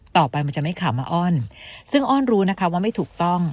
มันจะไม่ขามาอ้อนซึ่งอ้อนรู้นะคะว่าไม่ถูกต้อง